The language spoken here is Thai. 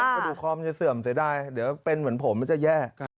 กระดูกคอมันจะเสื่อมเสียดายเดี๋ยวเป็นเหมือนผมมันจะแย่